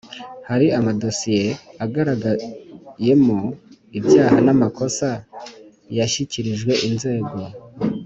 Hari amadosiye yagaragayemo ibyaha n amakosa yashyikirijwe inzego